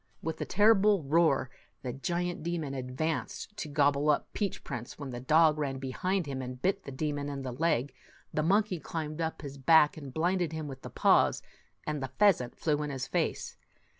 With a terrible roar, the giant demon ad vanced to gobble up Peach Prince, when the dog ran behind and bit the demon in the leg, the monkey climbed up his back and blinded him with his paws, and the pheasant flew in his face.